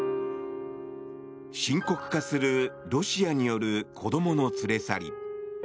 深刻化するロシアによる子供の連れ去り。